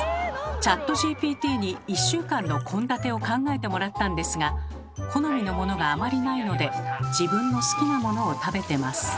チャットＧＰＴに１週間の献立を考えてもらったんですが好みのものがあまりないので自分の好きなものを食べてます。